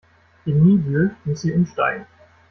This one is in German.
In Niebüll muss sie umsteigen.